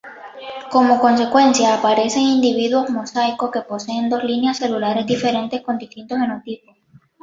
Como consecuencia aparecen individuos mosaico que poseen dos líneas celulares diferentes con distinto genotipo.